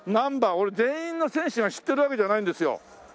俺全員の選手が知ってるわけじゃないんですよ。